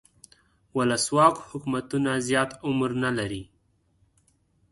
ولسواک حکومتونه زیات عمر نه لري.